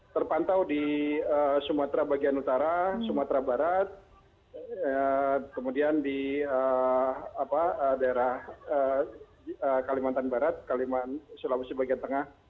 terpantau di sumatera bagian utara sumatera barat kemudian di daerah kalimantan barat kalimantan sulawesi bagian tengah